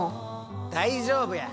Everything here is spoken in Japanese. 大丈夫や！